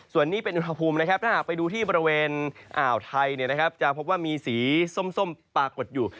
ส่วนนี้เป็นอุณหภูมินะครับถ้าหากไปดูที่บริเวณอ่าวไทยจะพบว่ามีสีส้มปรากฏอยู่